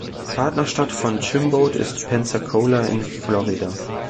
Partnerstadt von Chimbote ist Pensacola in Florida.